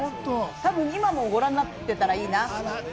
多分今もご覧になってたらいいな。